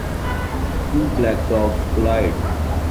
Two black dogs collide.